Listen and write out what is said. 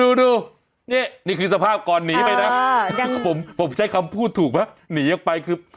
ดูนี่นี่คือสภาพก่อนหนีไปนะผมใช้คำพูดถูกไหมหนีออกไปคือ